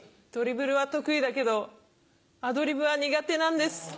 ドリブルは得意だけどアドリブは苦手なんです。